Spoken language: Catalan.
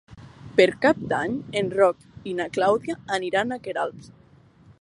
Per Cap d'Any en Roc i na Clàudia aniran a Queralbs.